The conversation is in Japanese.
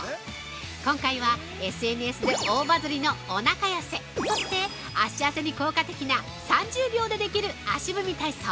今回は、ＳＮＳで大バズりのおなか痩せ、そして、足痩せに効果的な３０秒でできる足踏み体操。